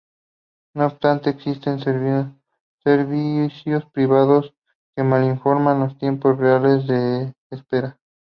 No obstante, existen servicios privados que mal informan los tiempos reales de espera.